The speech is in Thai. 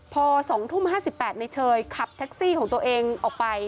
พอ๒ทุ่ม๕๘ในเชยขับแท็กซี่ของตัวเองออกไป